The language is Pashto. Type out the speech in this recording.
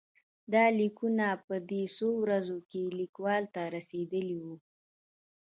دا لیکونه په دې څو ورځو کې لیکوال ته رسېدلي وو.